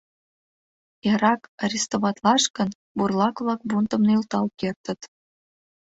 Эрак арестоватлаш гын, бурлак-влак бунтым нӧлтал кертыт.